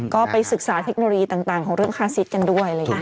ก็ไปศึกษาเทคโนโลยีต่างของเรื่องคาสิทธิ์กันด้วยเลยนะ